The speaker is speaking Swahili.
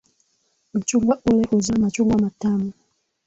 Mchungwa ule huzaa machungwa matamu.